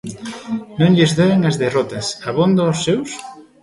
Non lles doen as derrotas abondo aos seus?